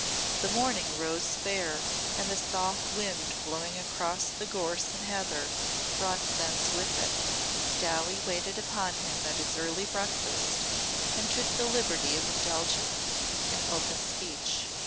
The morning rose fair and the soft wind blowing across the gorse and heather brought scents with it. Dowie waited upon him at his early breakfast and took the liberty of indulging in open speech.